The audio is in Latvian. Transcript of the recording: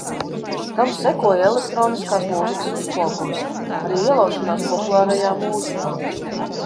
Tam sekoja elektroniskās mūzikas uzplaukums, arī ielaušanās populārajā mūzikā.